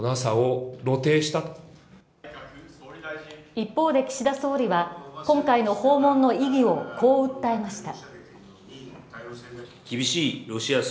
一方で、岸田総理は今回の訪問の意義をこう訴えました。